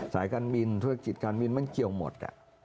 สายการบินธุรกิจการบินมันเกี่ยวหมด